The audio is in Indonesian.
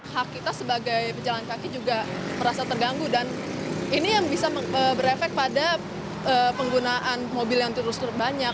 hak kita sebagai pejalan kaki juga merasa terganggu dan ini yang bisa berefek pada penggunaan mobil yang terus terus banyak